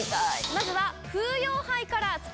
まずは。